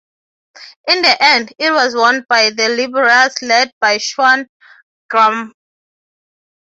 In the end, it was won by the Liberals led by Shawn Graham.